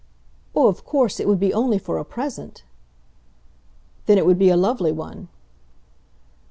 "Oh, of course it would be only for a present !" "Then it would be a lovely one."